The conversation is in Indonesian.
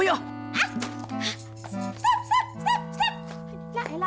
ya elah steve